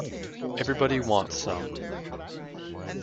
Everybody Wants Some!!